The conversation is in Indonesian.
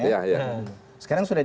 ya sekarang gak boleh